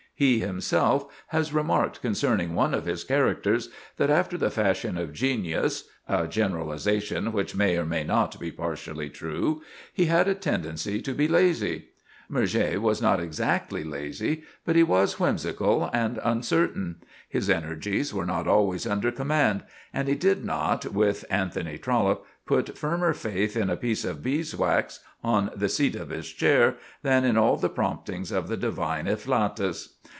He himself has remarked concerning one of his characters that, after the fashion of genius—a generalization which may or may not be partially true,—he had a tendency to be lazy. Murger was not exactly lazy; but he was whimsical and uncertain; his energies were not always under command; and he did not, with Anthony Trollope, put firmer faith in a piece of beeswax on the seat of his chair than in all the promptings of the divine afflatus.